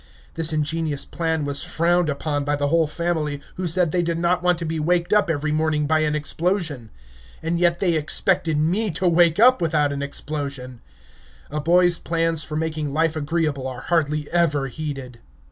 This ingenious plan was frowned on by the whole family, who said they did not want to be waked up every morning by an explosion. And yet they expected me to wake up without an explosion! A boy's plans for making life agreeable are hardly ever heeded.